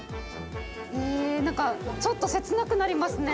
え何かちょっと切なくなりますね。